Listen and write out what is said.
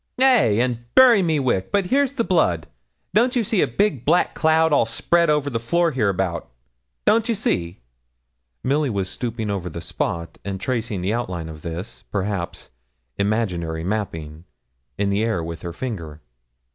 'Hey and bury me wick, but here's the blood; don't you see a big black cloud all spread over the floor hereabout, don't ye see?' Milly was stooping over the spot, and tracing the outline of this, perhaps, imaginary mapping, in the air with her finger.